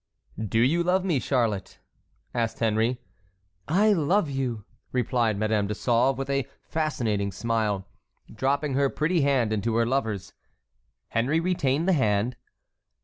'" "Do you love me, Charlotte?" asked Henry. "I love you," replied Madame de Sauve, with a fascinating smile, dropping her pretty hand into her lover's. Henry retained the hand.